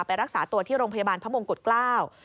รักษาตัวที่โรงพยาบาลพระมงกุฎเกล้า